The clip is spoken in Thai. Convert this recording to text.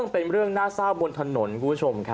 เป็นเรื่องหน้าส้าบบนถนนครับคุณผู้ชม